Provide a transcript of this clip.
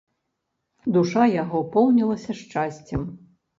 Душа яго поўнілася шчасцем.